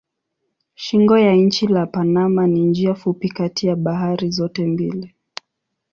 Shingo ya nchi la Panama ni njia fupi kati ya bahari zote mbili.